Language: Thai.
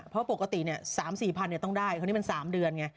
เพราะปกติ๓๔พันต้องได้คราวนี้มัน๓เดือนไง